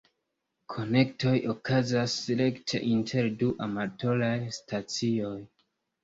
Konektoj okazas rekte inter du amatoraj stacioj.